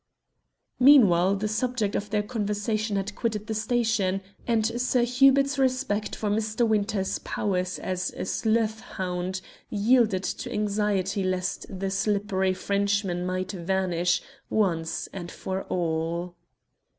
Meanwhile the subject of their conversation had quitted the station, and Sir Hubert's respect for Mr. Winter's powers as a sleuth hound yielded to anxiety lest the slippery Frenchman might vanish once and for all.